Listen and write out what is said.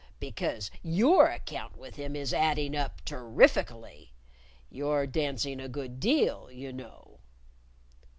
Because your account with him is adding up terrifically. You're dancing a good deal, you know."